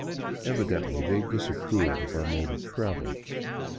Evidently they disapproved of our mode of travel.